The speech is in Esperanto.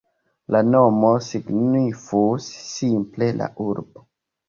La nomo signifus simple "la urbo".